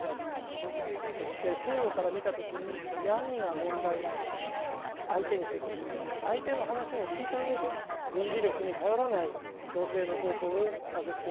そして西洋から見た時に何が問題なのか相手に説明し相手の話も聞いた上で軍事力に頼らない共生の方法を探っていくしかありません。